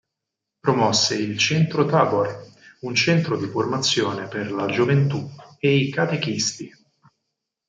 Promosse il Centro Tabor, un centro di formazione per la gioventù e i catechisti.